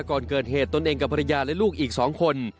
ก่อนเกิดเหตุตนเองกับภรรยาและลูกอีก๒คน